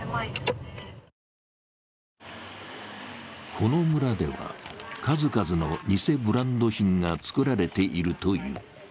この村では、数々の偽ブランド品が作られているという。